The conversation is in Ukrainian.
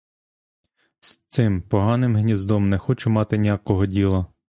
З цим поганим гніздом не хочу мати ніякого діла.